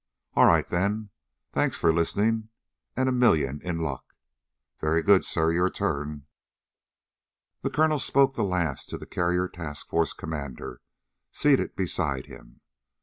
All right, then. Thanks for listening, and a million in luck. Very good, sir. Your turn." The colonel spoke the last to the carrier task force commander seated beside him.